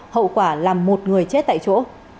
hậu quả là một người chết tại chỗ